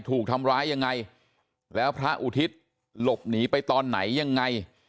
ถูกทำร้ายยังไงแล้วพระอุทิศหลบหนีไปตอนไหนยังไง